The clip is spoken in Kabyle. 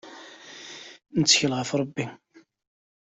Nettkel ɣef Rebbi.